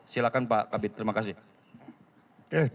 silahkan pak kabit terima kasih